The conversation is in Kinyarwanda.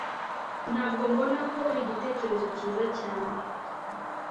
Ntabwo mbona ko ari igitekerezo cyiza cyane